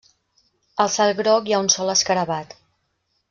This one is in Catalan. Al cel groc hi ha un sol escarabat.